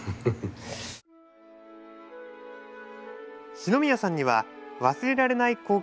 四宮さんには忘れられない光景がありました。